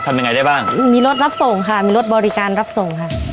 ทำยังไงได้บ้างมีรถรับส่งค่ะมีรถบริการรับส่งค่ะ